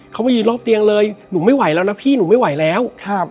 เขามายืนรอบเตียงเลยหนูไม่ไหวแล้วนะพี่หนูไม่ไหวแล้วครับ